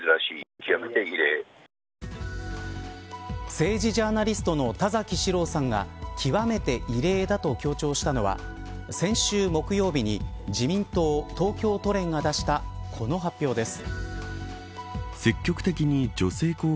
政治ジャーナリストの田崎史郎さんが極めて異例だと強調したのは先週、木曜日に自民党東京都連が出したこの発表です。